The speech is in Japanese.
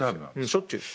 しょっちゅうです。